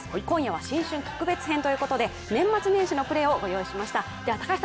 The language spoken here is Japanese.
今夜は新春特別編ということで年末年始のプレーを御用意しました。